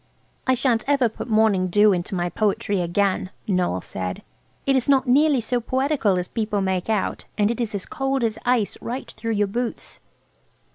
"I shan't ever put morning dew into my poetry again," Noël said; "it is not nearly so poetical as people make out, and it is as cold as ice, right through your boots."